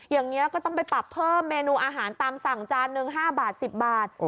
อย่างนี้ก็ต้องไปปรับเพิ่มเมนูอาหารตามสั่งจานหนึ่ง๕บาท๑๐บาท